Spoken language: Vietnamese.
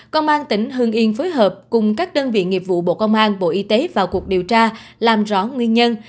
công an tỉnh hưng yên phối hợp cùng các đơn vị nghiệp vụ bộ công an bộ y tế vào cuộc điều tra làm rõ nguyên nhân